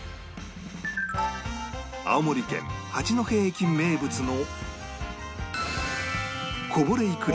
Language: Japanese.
青森県八戸駅名物の